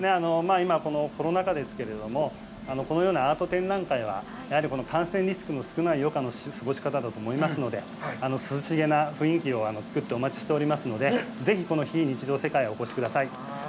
今、このコロナ禍ですけれども、このようなアート展覧会はやはり感染リスクの少ない余暇の過ごし方だと思いますので、涼しげな雰囲気を作ってお待ちしておりますので、ぜひこの非日常世界へお越しください。